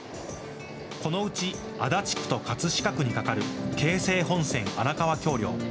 このうち足立区と葛飾区にかかる京成本線荒川橋梁。